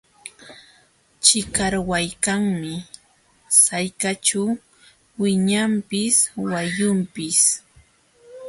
Chikarwaykaqmi sallqaćhu wiñanpis wayunpis.